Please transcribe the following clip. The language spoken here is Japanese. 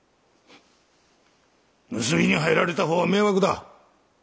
盗みに入られたほうは迷惑だ！